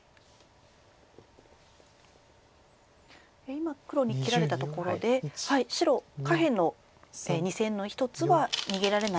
今黒に切られたところで白下辺の２線の１つは逃げられない形に。